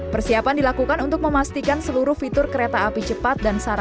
persiapan dilakukan untuk memastikan seluruh fitur kereta api cepat dan sebagainya